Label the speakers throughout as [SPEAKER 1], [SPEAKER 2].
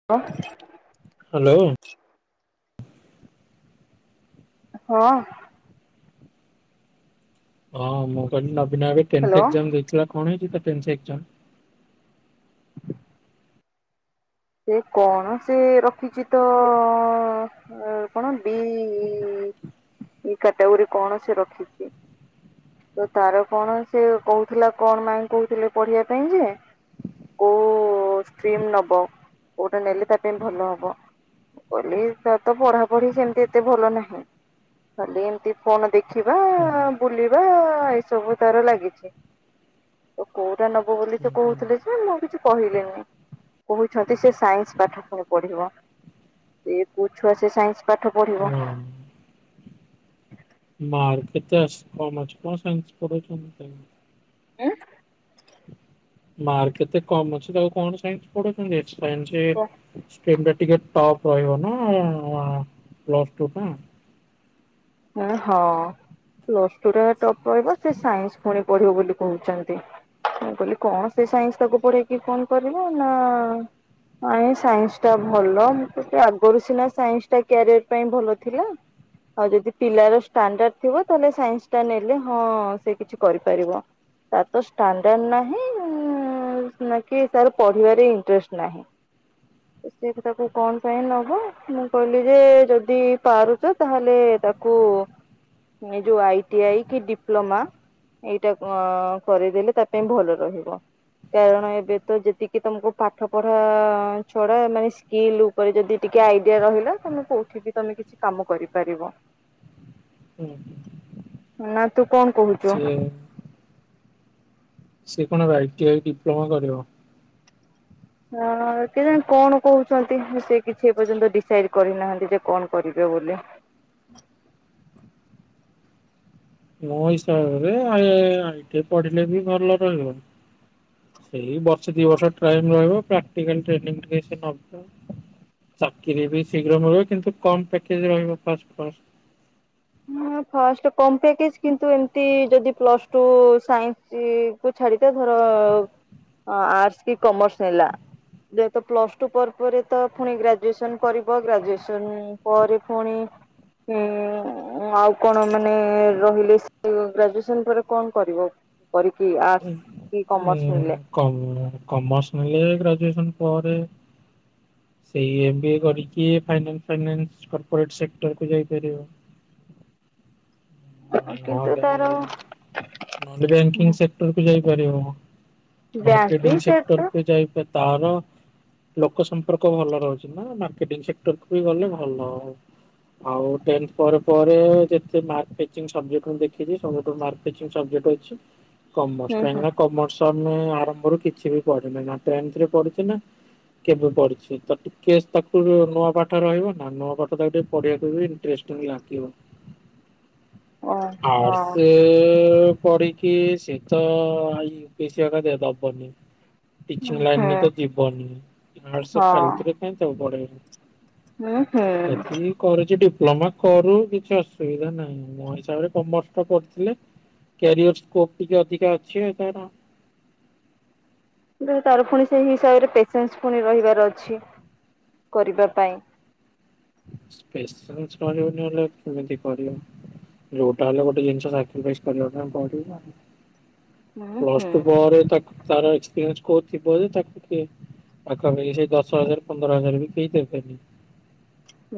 [SPEAKER 1] [unintelligible]
[SPEAKER 2] Hello.
[SPEAKER 1] ହଁ।
[SPEAKER 2] ହଁ ମୁଁ କହିଲି ନବୀନା ଏବେ ଟେନ୍ସ୍
[SPEAKER 1] ହ୍ୟାଲୋ
[SPEAKER 2] ଏକ୍ଜାମ ଦେଇଥିଲା କଣ ହେଇଛି ତା ଟେନ୍ସ୍ ଏଗ୍ ଜାମ୍?
[SPEAKER 1] ସେ କଣ ସେ ରଖିଚି ତ ଆ କଣ ବି- କାଟାଗୋରି କଣ ସେ ରଖିଚି। ତ ତାର କଣ ସେ କହୁଥିଲା କଣ ମାଇ କହୁଥିଲେ ପଢିବା ପାଇଁ ଯେ କୋଉ ଷ୍ଟିମ୍ ନବ କୋଉଟା ନେଲେ ତା ପାଇଁ ଭଲ ହବ। କହିଲି ତା ତ ପଢାପଢି ସେମିତି ଏତେ ଭଲ ନାହିଁ। ଖାଲି ଏମତି ଫୋନ ଦେଖିବା
[SPEAKER 2] ହୁଁ ହୁଁ
[SPEAKER 1] ବୁଲି ବା-ଏଇ ସବୁ ତାର ଲାଗିଚି। ତ କୋଉଟା ନବୁ ବୋଲି ସେ
[SPEAKER 2] ହୁଁ
[SPEAKER 1] କହୁଥିଲେ ଯେ ମୁଁ କିଛି କହିଲିିନି। କହୁଛନ୍ତି ସେ ସାଇନ୍ସ ପାଠ କଣ ପଢିବ। ସେ କୋଉ ଛୁଆ ସେ ସାଇନ୍ସ ପାଠ ପଢିବ।
[SPEAKER 2] ହଁ ମାର୍କ କେତେ ଅଛି କମ ଅଛି କଣ ସାଇନ୍ସ୍ ପଢଉଚନ୍ତି ତାଙ୍କୁ।
[SPEAKER 1] ଉଁ
[SPEAKER 2] ମାର୍କ ଏତେ କମ୍ ଅଛି ତାକୁ କଣ ସାଇନ୍ସ ପଢଉଚନ୍ତି, ସାଇନ୍ସ ସ୍ଜିମ୍ ଟିକେ ଟପ୍ ରହିବ ନା ପ୍ଲସ୍ ଟୁ ଟା।
[SPEAKER 1] ଏ ହଁ ପ୍ଲସ ଟୁ ଟା ଟପ୍ ରହିବ ସେ ସାଇନ୍ସ ପୁଣି ପଢିବ ବୋଲି କହୁଛନ୍ତି। ମୁ କହିଲି କଣ ସେ ସାଇନ୍ସ ତାକୁ ପଢେଇକି କଣ କରିବ ନା ନାଁଇ ସାଇନ୍ସ ଟା ଭଲ ମୁଁ କହିଲି ଆଗରୁ ସିନା ସାଇନ୍ସ ଟା କ୍ୟାରିୟର ପାଇଁ ଭଲ ଥିଲା। ଆଉ ଯଦି ପିଲାର ଷ୍ଟାଣ୍ଡାଡ ଥିବ ତାଲେ ସାଇନ୍ସ ଟା ନେଲେ ହଁ ସେ କିଛି କରିପାରିବ। ତାର ତ ସ୍ଟାଣ୍ଡାର୍ଡ ନାହିଁ। ହୁଁ ନାକି ତାର୍ ପଢିବାରେ ଇଣ୍ଟରେଷ୍ଟ ନାହିଁ।
[SPEAKER 2] [inaudible]
[SPEAKER 1] ସେଇଠି ତାକୁ କଣ ପାଇଁ ନବ ମୁଁ କହିଲି ଯେ ଯଦି ପାରୁଚ ତାହେଲେ ତାକୁ ତାକୁ ଏ ଯୋଉ ଆଇ ଟିଆଇ କି ଡିପ୍ଲୋମା ଏଇଟା କରେଇଦେଲେ ତା ପାଇଁ ଭଲ ରହିବ। କାରଣ ଏବେ ତ ଯେତିକି ତମକୁ ପାଠ ପଢା ଛଡା ମାନେ ଶି ଏଇ ଲୁକ୍ ଯଦି ଟିକେ ଆଇଡିଆ ରହିଲା ତମେ କୋଉଠି ବି ତମେ କିଛି କାମ କରିପାରିବ।
[SPEAKER 2] ହୁଁ।
[SPEAKER 1] ନା ତୁ କଣ କହୁଚୁ?
[SPEAKER 2] ସେ କଣ ଆଇ ଟିଆଇ ଡିପ୍ଲମା କରିବ।
[SPEAKER 1] ନା ନା କେ ଜଣି କଣ କହୁଚନ୍ତି ସେ କିଛି ଏ ପର୍ଯ୍ୟନ୍ତ ଡିସାଇଡ କରିନାହାନ୍ତି ଯେ କଣ କରିବେ ବୋଲି।
[SPEAKER 2] ମୋ ହିସାବରେ ଆଇ ଟିଆଇ ପଢିଲେ ବି ଭଲ ରହିବ। ସେଇ ବର୍ଷେ ଦି ବର୍ଷ ଟାଇଲ ରହିବ ପ୍ରାକ୍ଟିକାଲ ଟ୍ରେନିଙ୍ଗ୍ ଟିକେ ସେ ନବ। ଚାକିରୀ ବି ଶୀଘ୍ର ମିଳିବ କିନ୍ତୁ କମ ପ୍ୟାକେଜ ରହିବ ଫାଷ୍ଟ, ଫଷ୍ଟ।
[SPEAKER 1] ହ ଫାଷ୍ଟ କମ ପ୍ୟାକେଜ୍ କିନ୍ତୁ ଏମିତି ଯଦି ପ୍ଲସ ଟୁ ସାଇନ୍ସ କୁ ଛାଡିଦ ଧର ଆର୍ଟସ କି କମର୍ସ ନେଲା। ଯେହେତ ପ୍ଲସ୍ ଟୁ ପରେ ପରେ ତ ପୁଣି ଗ୍ରାଜୁଏସନ କରିବ ଗ୍ରାଜୁଏସନ ପରେ ପୁଣି ଉଁ ଆଉ କଣ ମାନେ ରହିଲେ ସେ ଗ୍ରାଜୁଏସନ ପରେ କଣ କରିବ? କରିକି ଆର୍ଟସ କି
[SPEAKER 2] ଉଁ
[SPEAKER 1] କମର୍ସ ନେଲେ
[SPEAKER 2] କମର୍ସ କମସ୍ ନେଲେ ଗ୍ରାଜୁଏସନ ପରେ। ସେଇ ଏମ ବି ଏ କରିକି ଫାଇନ୍ ଫାଇନ୍ସ କର୍ପୋରେଟ ସେକ୍ଟର କୁ ଯାଇପାରିବଖ।
[SPEAKER 1] କିନ୍ତୁ ତାର
[SPEAKER 2] ନହେଲେ ନହଲେ ବ୍ୟାଙ୍କିଙ୍ଗ୍ ସେକ୍ଟର କୁ ଯାଇପାରିବ।
[SPEAKER 1] ବ୍ୟାଙ୍କିଙ୍ଗ
[SPEAKER 2] ମାର୍କେଟିଂ
[SPEAKER 1] ସେଟ ତ
[SPEAKER 2] ସେକ୍ଟର ଯାଇପ ତାର ଲୋକ ସମ୍ପର୍କ ଭଲ ରହୁଛି ନା ମକେଟିଙ୍ଗସେକ୍ଟରକୁ ଗଲେ ଭଲ ଆଉ ଆଉ ଟେନ୍ଥ ପରେ ପରେ ଯେତେ ମାର୍କ ସବଜେକ୍ଟ କୁ ଦେଖିକି ସବୁଠୁ ମାର୍କ ପେଚିଙ୍ଗି ସବଜେକ୍ଟ ଅଛି କମର୍ସ
[SPEAKER 1] ହୁଁ ହୁଁ
[SPEAKER 2] କାହିଁକିନା କମର୍ସ ଆମେ ଆରମ୍ଭରୁ କିଛି ବି ପଢିନେ ନା ଟେର୍ନନ୍ଥରେ ପଢିଛୁ ନା କେବେ ପଢିଛି ତ ଟିକେ ତାକୁ ନୂଆ ପାଠ ରହିବ ନା ନୂଆ ପାଠ ତାକୁ ଟିକେ ପଢିବାକୁ ବି ଇନଟ୍ରେଷ୍ଟ ଲାଗିିବ
[SPEAKER 1] ଓ ହଁ
[SPEAKER 2] ଆର୍ଟସ ପଢିକି କି ସେ ତ ଆଇ ବେଶୀ ଜାଗା ଦବନି ଟିଚିଂ
[SPEAKER 1] ହୁଁ
[SPEAKER 2] ଲାଇନରେ ତ ଯିବନି ଆର୍ଟସ
[SPEAKER 1] ହଁ
[SPEAKER 2] ଫାଲତୁରେ କାଇଁ ତାକୁ ପଢେଇବ
[SPEAKER 1] ହୁଁ ହୁଁ
[SPEAKER 2] ଯଦି କରିଛି ଡିପ୍ଲୋମା କରୁ କିଛି ଅସୁବିଧା ନାହିଁ ମୋ ହିସାବରେ କମର୍ସ ଟା କରିଥିଲେ କ୍ୟାରିଅର ସ୍କୋପ ଟିକେ ଅଧିକା ଅଛି ତାର
[SPEAKER 1] ତାର ପୁଣି ସେଇ ହିସାବରେ ପେସେନ୍ସ ପୁଣି ରହିବାର ଅଛି କରିବା ପାଇଁ
[SPEAKER 2] ପେସେନ୍ସ ନରହିଲେ କେମିତି କରିବ ଯଉଟା ହେଲେ ଗୋଟେ ଜିନିଷ ସାକ୍ରିଫାଇଜ କରିବା ପାଇଁ ପଡିବ
[SPEAKER 1] ହୁଁ ହୁଁ।
[SPEAKER 2] ପ୍ଲଷ୍ଟୁ ପରେ ତାର ଏକ୍ସପ୍ରିଏର୍ନସ କଉ ଥିବ ଯେ ତାକୁ କିଏ ପାଖାପାଖି ସେଇ ଦଶ ହଜାର ପନ୍ଦର ହଜାର ବି କେହି ଦେବେନି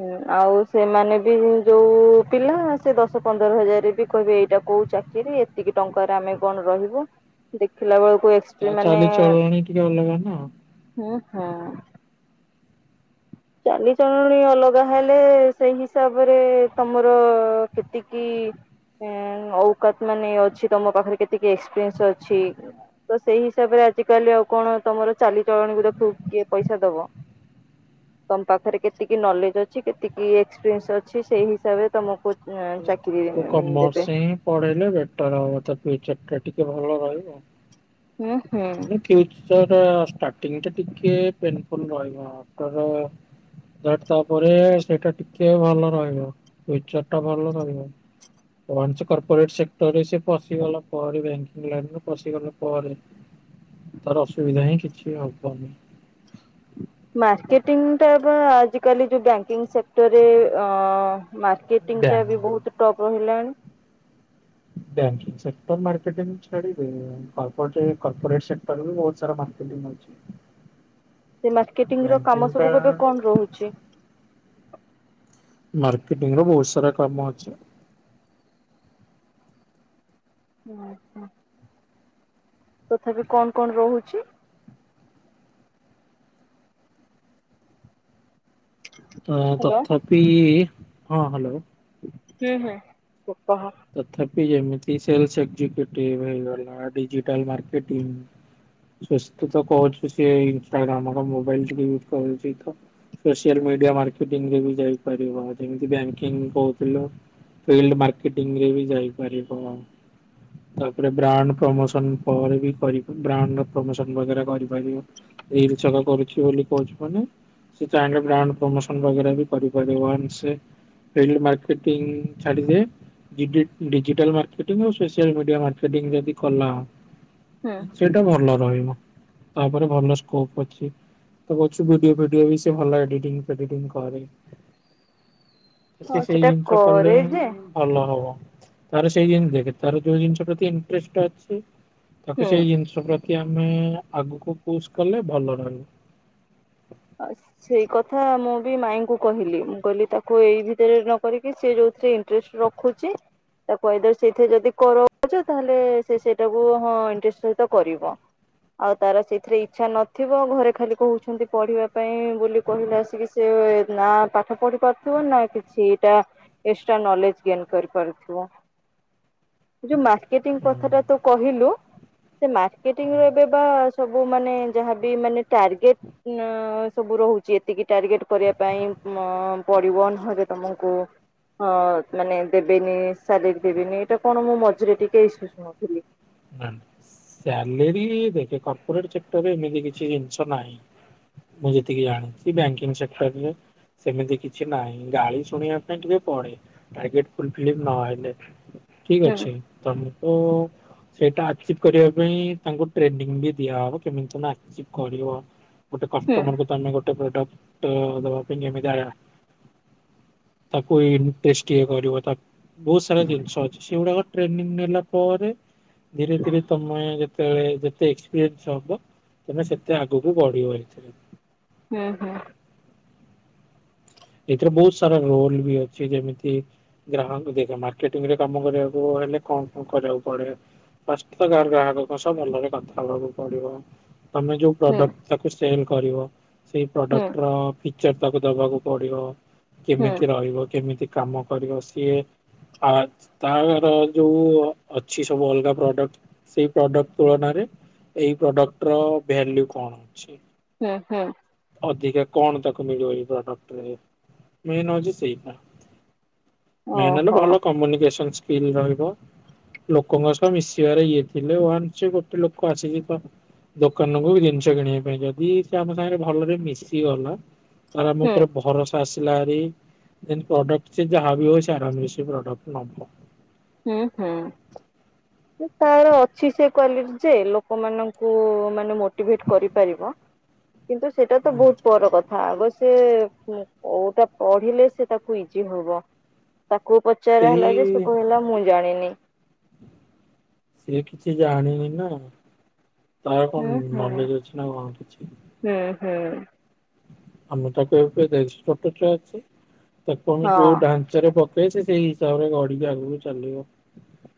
[SPEAKER 1] ହୁଁ ଆଉ ସେମାନେ ବି ଯୋଉ ପିଲା ସେ ଦଶ ପନ୍ଦର ହଜାର ବି କହିବେ ଏଇଟା କୋଉ ଚାକି ରି ଏତିକି ଟଙ୍କାରେ ଆମେ କଣ ରହିବୁ ଦେଖିଲା ବେଳକୁ ଏକ୍ସପି
[SPEAKER 2] ତା
[SPEAKER 1] ମାନେ
[SPEAKER 2] ଚାଲିଚଳଣି ଟିକେ ଅଲଗା ନା
[SPEAKER 1] ହୁଁ ହୁଁ ଚାଲିଚଲଣି ଅଲଗା ହେଲେ ସେଇ ହିସାବରେ ତମର ସେତିକି ଅଉକାତ ମାନେ ଅଛି ତମ ପାଖରେ କେତିକ ଏକ୍ସପ୍ରିଏର୍ନସ ଅଛି ତ ସେଇ ହିସାବରେ ଆଜିକାଲି ଆଉ କଣ ତମର ଚାଲିଚଲଣିକୁ ଦେଖ କିଏ ପଇସା ଦବ ତମ ପାଖରେ କେତିକି ନଲେଜ ଅଛି କେତିକି ଏକ୍ସପିରିଏନ୍ସ ଅଛି ସେଇ ହିସାବରେ ତମକୁ ଚାକିରି
[SPEAKER 2] ତୁ
[SPEAKER 1] ଦେବେ
[SPEAKER 2] କମର୍ସ ହିଁ ପଢେଇଲେ ବେଟର ହବ ତ ପିଚ ଟା ଟିକେ ଭଲ ରହିବ
[SPEAKER 1] ହୁଁ ହୁଁ
[SPEAKER 2] ମାନେ ଫି୍ୟୁଚର ଷ୍ଟାଟିଙ୍ଗି ଟିକେ ପେନଫୁଲ ରହିବ ତାର ତାପରେ ସେଇଟା ଟିକେ ଭଲ ରହିବ ଫି୍ୟୁଚର ଟା ଭଲ ରହିବ ୱାନସ କର୍ପୋରେଟ ସେକ୍ଟର ରେ ସେ ପଶିଗଲା ପରେ ବ୍ୟାଙ୍କିଙ୍ଗ ଲାଇନ ପଶଗଲା ପରେ ତାର ଅସୁବିଧା ହିଁ କିଛି ହବନି
[SPEAKER 1] ମାର୍କେଟିଂ ଟା ବା ଆଜିକାଲି ଯୋଉ ବ୍ୟାଙ୍କିଙ୍ଗ ସେକ୍ଟରରେ ଆଁ ମାର୍କେଟିଂଟା
[SPEAKER 2] ବ୍ୟାଙ୍କ
[SPEAKER 1] ବି ବହୁତ ଟପ୍ ରହିଲାଣି
[SPEAKER 2] ବ୍ୟାଙ୍କିଙ୍ଗ ସେକ୍ଟର ମାର୍କେଟିଙ୍ଗ ଛାଡିଦେ କର୍ପୋରେଟ ସେକ୍ଟର ବହୁତ ସାରା ମାର୍କେଟିଂ ଅଛି [inaudible]
[SPEAKER 1] ସେ ମାର୍କେଟିଂ ର କାମ
[SPEAKER 2] ବ୍ୟାଙ୍କିଙ୍ଗ ଟା
[SPEAKER 1] ସବୁ ଏବେ କଣ ରହୁଛି
[SPEAKER 2] ମାର୍କେଟିଂ ର ବହୁତ ସାରା କାମ ଅଛି
[SPEAKER 1] ଆଛା ତଥାପି କଣ କଣ ରହୁଛି ହ୍ୟାଲୋ
[SPEAKER 2] ତଥାପି ହଁ ହ୍ୟାଲୋ
[SPEAKER 1] ହୁଁ ହୁଁ କହ
[SPEAKER 2] ତଥାପି ଯେମିତି ସେଲସ ଏକ୍ଜଟିଭ ହେଇଗଲା ଡିଜିଟାଲ ମକେଟିଂ ତୁ ତ କହୁଛୁ ସିଏ ଇନଷ୍ଟାଗ୍ରାମ ମୋବାଇଲ ଟିକେ ୟୁଜ୍ କରୁଛି ତ ସୋସିଆଲ ମିଡିଆ ମାର୍କେଟିଂରେ ବି ଯାଇପାରିବ ଯେମତି ବ୍ୟାଙ୍କିଙ୍ଗ କହୁଥିଲୁ ଫିଲ୍ ମାର୍କେଟିଂ ରେ ବି ଯାଇପାରିବ ତାପରେ ବ୍ରାଣ୍ଡ ପ୍ରମୋସନ ପରେ ବି ବ୍ରାଣ୍ଡ ପ୍ରମୋସନ ବଗେରା କରିପାରିବ ରିଲସ ଏଗା କରୁଛି ବୋଲି କହୁଛି ମାନେ ସେ ଚାହିଁଲେ ବ୍ରାଣ୍ଡ ପ୍ରମୋସନ ବଗେରା ବି କରିପାରିବ ଆଣ୍ଡ ସେ [unintelligible] ମାର୍କେଟିଂ ଛାଡିଦିଏ। ଡିଜି ଡିଜିଟାଲ ମାର୍କେଟିଂ ଆଉ ସୋସିଆଲ ମିଡିଆ ମାର୍କେଟିଂ ଯଦି କଲା।
[SPEAKER 1] ହୁଁ
[SPEAKER 2] ସେଇଟା ଭଲ ରହିବ ତାପରେ ଭଲ ସ୍କୋପ ଅଛି। ତ [unintelligible] ଭିଡିଓ ଫିଡିଓ ବି ସେ ଭଲ ଏଡିଟିଂ ଫେଡିଟିଂ କରେ। ତ ସେ
[SPEAKER 1] ହଁ
[SPEAKER 2] ସେଇ
[SPEAKER 1] ସେଟା
[SPEAKER 2] ଜିନିଷ କଲେ
[SPEAKER 1] କରେ
[SPEAKER 2] ହିଁ
[SPEAKER 1] ଯେ
[SPEAKER 2] ଭଲ ହବ ତାର ସେଇ ଜିନଷ ଦେଖେ ତାର ଯୋଉ ଜିନିଷ ପ୍ରତି ଇଣ୍ଟେର୍ଷ୍ଟ ଅଛି ତାକୁ
[SPEAKER 1] ହୁଁ
[SPEAKER 2] ସେଇ ଜିନିଷ ପ୍ରତି ଆମେ ଆଗକୁ ପୁସ୍ କଲେ ଭଲ ରହିବୁ।
[SPEAKER 1] ଆଛ୍ ସେଇ କଥା ମୁଁ ବି ମାଇଁଙ୍କୁ କହିଲି ମୁଁ କହିଲି ତାକୁ ଏଇ ଭିତରେ ନ କରିକି ସେ ଯୋଉଥିରେ ଇ ଇନଟ୍ରେଷ୍ଟ ରଖୁଚି। ତାକୁ କହିଦେବ ସେଇଥିରେ ଯଦି କରଛ ତାହଲେ ସେ ସେଇଟାକୁ ହଁ ଇଣ୍ଟେର୍ଷ୍ଟ ସହିତ କରିବ। ଆଉ ତାର ସେଇଥିରେ ଇଚ୍ଛା ନଥିବ ଘରେ ଖାଲି କହୁଛନ୍ତି ପଢିବା ପାଇଁ ବୋଲି କହିଲେ ଆସିକି ସେ ନା ପାଠ ପଢି ପାରୁଥିବ ନା କିଛି ଟା ଏକ୍ସଟ୍ରା ନଲେଜ ଗେନ୍ କରିପାରୁଥିବୁ। ଯୋଉ ମାର୍କେଟିଂ କଥା ଟା ତୁ କହିଲୁ ସେ ମାର୍କେଟି ର ଏବେ ବା ସବୁ ମାନେ ଯାହାବି ମାନେ ଟାର୍ଗେଟ। ନାଁ ସବୁ ରହୁଛି ଏତିକି ଟାର୍ଗେଟ କରିବା ପାଇଁ ମ ପଡିବ ନହଲେ ତମକୁ ହଁ ମାନେ ଦେବେନି ସାଲେରୀ ଦେବେନି ଏଇଟା କଣ ମୁଁ ମଝିରେ ଟିକେ ଇସୁ ଶୁଣୁଥିଲି।
[SPEAKER 2] ସାଲେରୀ ଦେଖେ କର୍ପୋରେଟ ଚେକ୍ଟରରେ ଏମିତି କିଛି ଜିନିଷ ନାହିଁ। ମୁଁ ଯେତିକି ଜାଣିଚି ବ୍ୟାଙ୍କିଙ୍ଗ ସେକ୍ଟର ରେ ସେମିତି କିଛି ନାହିଁ, ଗାଳି ଶୁଣିବା ପାଇଁ ଟିକେ ପଡେ। ଟାର୍ଗେଟ ଫୁଲଫିଲ ନଲେ ଠିକ
[SPEAKER 1] ହୁଁ
[SPEAKER 2] ଅଛି ତମୁକୁ ସେଇଟା ଆଚିଭ୍ କରିବା ପାଇଁ ତାଙ୍କୁ ଟ୍ରେନିଂ ବି ଦିଆହବ କେମିତି ତମେ ଆଚିଭ୍ କରିବ। ଗୋଟେ
[SPEAKER 1] ହୁଁ
[SPEAKER 2] କଷ୍ଟମରକୁୁ ତମେ ଗୋଟେ ପ୍ରଡକ୍ଟ ଅ ଦବା ପାଇଁ କେମିତିଆ ତାକୁ ଇନଷ୍ଟେଟ୍ ଇଏ କରିବ ତାକ୍ ବହୁତ ସାରା ଜିନିଷ ଅଛି ସେଗୁଡାକ ଟ୍ରେନିଂ ନେଲା ପରେ ଧୀରେ ଧୀରେ ତମେ ଯେ ଯେତେବେଳେ ଯେତେ ଏକ୍ସପିରିଏନ୍ସ ହବ ତମେ ସେତେ ଆଗକୁ ବଢ଼ିବ ଏଇଥିରେ।
[SPEAKER 1] ହୁଁ ହୁଁ।
[SPEAKER 2] ଏଇଥିରେ ବହୁତ୍ ସାରା ରୋଲ ବି ଅଛି ଯେମିତି ଗ୍ରାହକଙ୍କୁ ଦେଖ ମାର୍କେଟିଂ ରେ କାମ କରିବାକୁ ହେଲେ କଣ କଣ କରିବାକୁ ପଡେ। [unintelligible] ସହ ଭଲରେ କଥା ହବାକୁ ପଡିବ ତମେ ଯୋଉ
[SPEAKER 1] ହୁଁ
[SPEAKER 2] ପ୍ରଡକ୍ଟ ତାକୁ ସେଲ କରିବ ସେଇ
[SPEAKER 1] ହୁଁ
[SPEAKER 2] ପ୍ରଡକ୍ଟ ର ଫିକ୍ଚର ତାକୁ ଦବାକୁ ପଡିବ।
[SPEAKER 1] ହୁଁ
[SPEAKER 2] କେମିତି ରହିବ କେମିତି କାମ କରିବ ସିଏ ଆ ତାର ଯୋଉ ଅଛି ସବୁ ଅଲଗା ପ୍ରଡକ୍ଟ ସେଇ ପ୍ରଡକ୍ଟ ତୁଳନାରେ ଏଇ ପ୍ରଡକ୍ଟ ର ଭେଲ୍ୟୁ କଣ ଅଛି।
[SPEAKER 1] ହୁଁ ହୁଁ।
[SPEAKER 2] ଅଧିକା କଣ ତାକୁ ମିଳିବ ଏଇ ପ୍ରୋଡକ୍ଟ ରେ ମେନ ହଉଚି ସେଇଟା। ମେନ୍ ହେଲା
[SPEAKER 1] ଓହୋ
[SPEAKER 2] ଭଲ କମ୍ୟୁନିକସନ ସ୍କିଲ ରହିବ। ଲୋକଙ୍କ ସହ ମିଶିବାରେ ଇଏ ଥିଲେ ୱାନସ୍ ଗୋଟେ ଲୋକ ଆସିବେ ତ ଦୋକାନକୁ ଜିନିଷ କିଣିବା ପାଇଁ ଯଦି ସେ ଆମ ସାଙ୍ଗରେ ଭଲରେ ମିଶିଗଲା ତାର ଆମ
[SPEAKER 1] ହୁଁ
[SPEAKER 2] ଉପରେ ଭରସା ଆସିଲା ହାରି [unintelligible] ପ୍ରଡକ୍ଟ ସେ ଯାହାବି ହଉ ଆରାମରେ ଆସି ପ୍ରଡକ୍ଟ ନବ।
[SPEAKER 1] ହୁଁ ହୁଁ। ତାର ଅଛି ସେ କ୍ଵାଲିଟି ଯେ ଲୋକମାନଙ୍କୁ ମାନେ ମୋଟିଭେଟ୍ କରିପାରିବ। କିନ୍ତୁ ସେଇଟା ତ
[SPEAKER 2] ହୁଁ
[SPEAKER 1] ବହୁତ ପର କଥା ଆଗ ସେ କୋଉଟା ପଢିଲେ ସେ ତାକୁ ଇଜି ହବ ତାକୁ ପ ପଚରା
[SPEAKER 2] ସେଇ
[SPEAKER 1] ହେଲା ଯେ ସେ କହିଲା ମୁଁ ଜାଣିନି।
[SPEAKER 2] ସିଏ କିଛି ଜାଣିନି ନା ତାର
[SPEAKER 1] ହୁଁ
[SPEAKER 2] କଣ
[SPEAKER 1] ହୁଁ
[SPEAKER 2] ନଲେଜ ଅଛି ନା କଣ କିଛି।
[SPEAKER 1] ହୁଁ ହୁଁ।
[SPEAKER 2] ଆମେ ତାକୁ ଏବେ [unintelligible] ଅଛି ତାକୁ ଆମେ ଯୋଉ
[SPEAKER 1] ହଁ
[SPEAKER 2] ଢାନ୍ଚା ଚରେ ପକେଇ ସେ ସେଇ ହିସାବରେ ଗଡିକି ଆଗକୁ ଚାଲିବ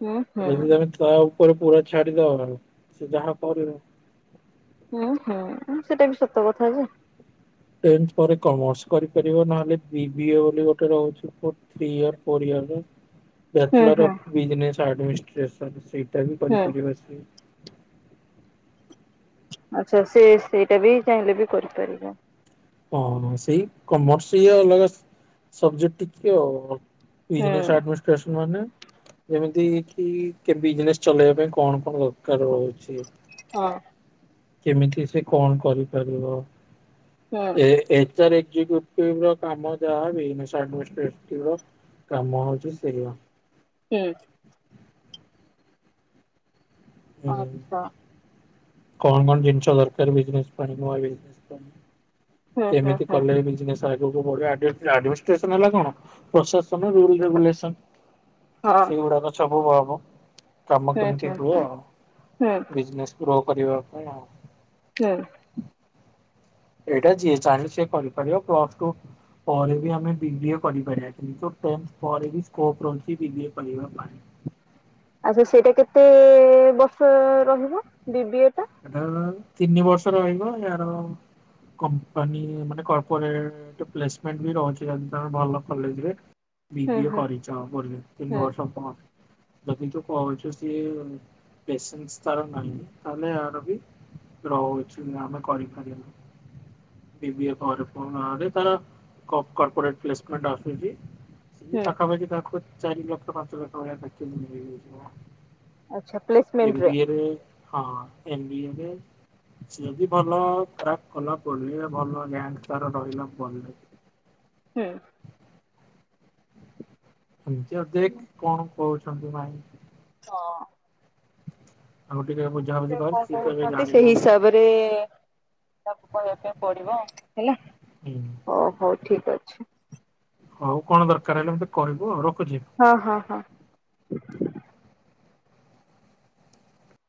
[SPEAKER 1] ହୁଁ ହୁଁ।
[SPEAKER 2] ଯଦି ତମେ ତା ଉପରେ ପୁରା ଛାଡିଦବ ସେ ଯାହା କରିବ
[SPEAKER 1] ଉଁ ହୁଁ ସେଇଟା ବି ସତ କଥା ଯେ।
[SPEAKER 2] ଟେନଥ୍ ପରେ କମର୍ସ କରିପାରିବ ନହେଲେ ବି ବି ଏ ବୋଲି ଗୋଟେ ରହୁଚି ଥ୍ରୀ ଇୟର ଫୋର୍ ଇୟରରୁ
[SPEAKER 1] ହୁଁ
[SPEAKER 2] ବ୍ୟାଚଲର୍
[SPEAKER 1] ହୁଁ
[SPEAKER 2] ବିଜିନେସ ଆଟମିଷ୍ଟ୍ରେଟସନ୍ ସେଇଟା ବି
[SPEAKER 1] ହୁଁ।
[SPEAKER 2] କରିପାରିବ ସେ।
[SPEAKER 1] ଆଚ୍ଛା ସେ ସେଇଟା ବି ଚାହିଁଲେ ବି କରିପାରିବ।
[SPEAKER 2] ହଁ ସେଇ କମର୍ସ ଇଏ ଅଲଗା ସବଜେକ୍ଟ ଟିକଏ ଆଉ।
[SPEAKER 1] ହୁଁ
[SPEAKER 2] ବିଜିନେସ୍ ଆଡମିନିଷ୍ଟ୍ରେସନ୍ ମାନେ ଯେମିତି କି କେ ବିଜନେସ ଚଲେଇବା ପାଇଁ କଣ କଣ ଦରକାର ହଉଚି।
[SPEAKER 1] ହଁ।
[SPEAKER 2] କେମିତି ସେ କଣ କରିପାରିବ
[SPEAKER 1] ହୁଁ
[SPEAKER 2] ଏ ଏ [unintelligible] କାମ ଯାହା [unintelligible] କାମ ହଉଚି ସେଇଆ।
[SPEAKER 1] ହୁଁ। ଆଚ୍ଛା।
[SPEAKER 2] କଣ କଣ ଜିନିଷ ଦରକାର ବିଜେନେସ ପାଇଁ ନୂଆ ବିଜେନେସ
[SPEAKER 1] ହୁଁ
[SPEAKER 2] ପାଇଁ
[SPEAKER 1] ହୁଁ
[SPEAKER 2] କେମିତି
[SPEAKER 1] ହୁଁ
[SPEAKER 2] କଲେ ବିଜିନେସ ଆଗକୁ ବଢିବ ଆ ଡ଼ି ଏଫ ଡ଼ି ଆଡମିଷ୍ଟେସନ କଣ ପ୍ରଶାସନ ରୁଲରେଗୁଲେସନ।
[SPEAKER 1] ହଁ
[SPEAKER 2] ସେଗୁଡାକ ସବୁ ହବ କାମ
[SPEAKER 1] ହୁଁ
[SPEAKER 2] କେମିତି
[SPEAKER 1] ହୁଁ
[SPEAKER 2] ହୁଅ।
[SPEAKER 1] ହୁଁ। ହୁଁ
[SPEAKER 2] ବିଜନେସ୍ କୁ ଗ୍ରୋ କରିବା ପାଇଁ ଆଉ।
[SPEAKER 1] ହୁଁ।
[SPEAKER 2] ଏଇଟା ଯିଏ ଚାହିଁଲେ ସେ କରିପାରିବ ପ୍ଲସଟୁ ପରେ ବି ଆମେ ବିବିଏ କରିପାରିବା କିନ୍ତୁ ଟେନଥପରେ ବି ସ୍କୋପ ରହୁଚି ବିବିଏ କରିବା ପାଇଁ।
[SPEAKER 1] ଆ ସେ ସେଇଟା କେତେ ବର୍ଷ ରହିବ ବିବିଏଟା?
[SPEAKER 2] ହେଟା ହେଲା ତିନି ବର୍ଷ ରହିବ ୟାର କମ୍ପାନୀ ମାନେ କର୍ପୋରେଟ ପ୍ଲେସମେଣ୍ଟ ବି ରହୁଛି ଜଦି ତାଙ୍କ ଭଲ କଲେଜରେ।
[SPEAKER 1] ହୁଁ
[SPEAKER 2] ବିବିଏ
[SPEAKER 1] ହୁଁ
[SPEAKER 2] କରିଚ ବୋଲି
[SPEAKER 1] ହୁଁ
[SPEAKER 2] ତିନିବର୍ଷ ପରେ ଯଦି ଯୋ କହୁଚ ସିଏ ପେସନ୍ସ ତାର ନାହିଁ ତାହଲେ ଆ ଥାବି ରହୁଚି ଆମେ କରିପାରିବା। ବିବିଏ ପରେ ପରେ ତାର କପୋ କର୍ପୋରେଟ୍ ପେଲେସମେଣ୍ଟେ ଆସୁଚି। ସେ
[SPEAKER 1] ହୁଁ।
[SPEAKER 2] ପାଖାପାଖି ତାକୁ ଚାରି ଲକ୍ଷ ପାଞ୍ଚ ଲକ୍ଷ ଭଳିଆ ଚାକିରି
[SPEAKER 1] ଆଚ୍ଛା
[SPEAKER 2] ମିଳିଯାଉଚି।
[SPEAKER 1] ପ୍ଲେସମେଣ୍ଟ
[SPEAKER 2] ଏମ୍ ବି ଏ ରେ ହଁ ଏମ୍ ବି ଏ ରେ ଯିଏ ବି ଭଲ କ୍ରା କଲା ପରେ ଭଲ ଗ୍ୟାଙ୍ଗ ତାର ରହିଲା ପଲେ
[SPEAKER 1] ହୁଁ।
[SPEAKER 2] ନିଜ ଦେଖ କଣ କହୁଚନ୍ତି ମାଇଁ।
[SPEAKER 1] ହଁ।
[SPEAKER 2] ଆଉ ଟିକେ ବୁଝାବୁଝି କର ସିଏ ତ ଏବେ ଜାଣିନାହାନ୍ତି
[SPEAKER 1] ଏ ତାବ କହିବା ପାଇଁ [inaudible] ପଡିବ ହେଲା।
[SPEAKER 2] ହୁଁ।
[SPEAKER 1] ଓ ହଉ ଠିକ୍ ଅଛି।
[SPEAKER 2] ହଉ କଣ ଦରକାର ହେଲେ ମତେ କହିବ ରଖୁଚି।
[SPEAKER 1] ହଁ ହଁ ହଁ।